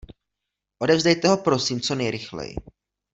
Odevzdejte ho prosím co nejrychleji.